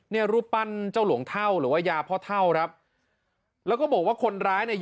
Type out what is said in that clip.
รูปปั้นเจ้าหลวงเท่าหรือว่ายาพ่อเท่าครับแล้วก็บอกว่าคนร้ายเนี่ย